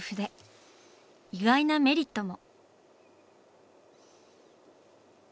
意外なメリットも。